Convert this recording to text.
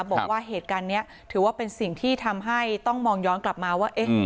บอกว่าเหตุการณ์นี้ถือว่าเป็นสิ่งที่ทำให้ต้องมองย้อนกลับมาว่า